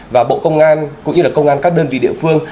và bộ công an cũng như là công an các đơn vị địa phương